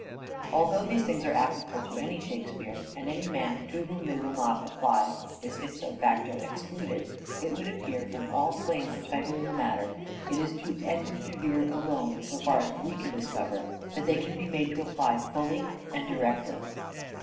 Although these things are applicable to any " Shake speare," and any man to whom they will not apply is, ipso facto, excluded, it would appear, from all claim or title in the matter, it is to Edward de Vere alone, so far as we can discover, that they can be made to apply fully and directly.